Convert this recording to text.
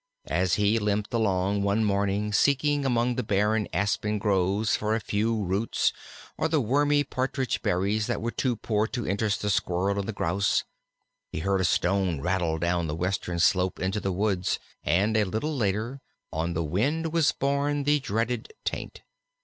As he limped along one morning, seeking among the barren aspen groves for a few roots, or the wormy partridge berries that were too poor to interest the Squirrel and the Grouse, he heard a stone rattle down the western slope into the woods, and, a little later, on the wind was borne the dreaded taint.